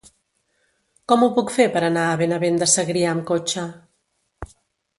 Com ho puc fer per anar a Benavent de Segrià amb cotxe?